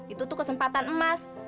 itu tuh kesempatan emas